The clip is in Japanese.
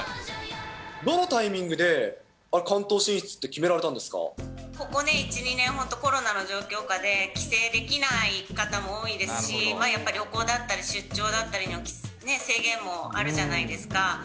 どのタイミングで関東進出っここ１、２年、本当、コロナの状況下で、帰省できない方も多いですし、やっぱり旅行だったり出張だったりの制限もあるじゃないですか。